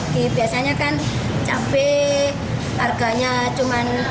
dua puluh seratus gitu